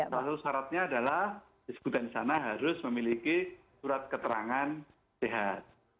lalu syaratnya adalah disekutannya sana harus memiliki surat keterangan sehat